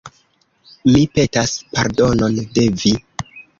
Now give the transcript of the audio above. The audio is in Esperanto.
Mi petas pardonon de vi.